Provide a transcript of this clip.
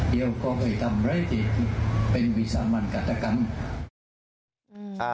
เดี๋ยวก็ให้ทำไร้เจติเป็นวิสาห์มันกรรตกรรม